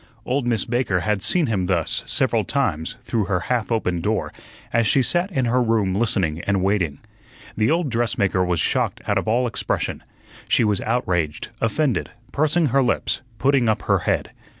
Old Miss Baker had seen him thus several times through her half open door, as she sat in her room listening and waiting. The old dressmaker was shocked out of all expression. She was outraged, offended, pursing her lips, putting up her head.